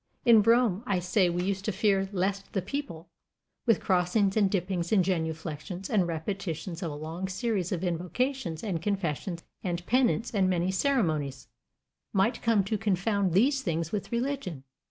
In Rome, I say, we used to fear lest the people, with crossings and dippings and genuflections and repetitions of a long series of invocations and confessions and penance and many ceremonies, might come to confound these things with religion.